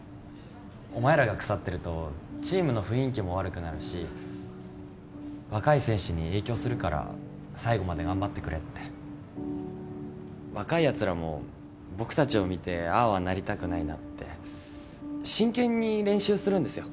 お前らが腐ってるとチームの雰囲気も悪くなるし若い選手に影響するから最後まで頑張ってくれって若いやつらも僕達を見てああはなりたくないなって真剣に練習するんですよ